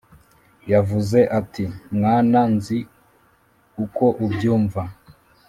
yavuze ati: 'mwana, nzi uko ubyumva.